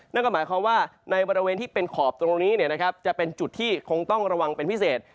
นั่นก็หมายความว่าในบริเวณที่เป็นขอบตรงนี้จะเป็นจุดที่คงต้องระวังเป็นพิเศษ